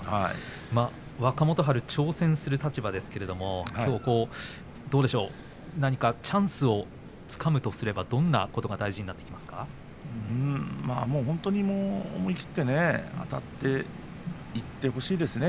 若元春は挑戦する立場ですけれどもきょうチャンスをつかむとすればどんなことが本当に思い切ってあたっていってほしいですね。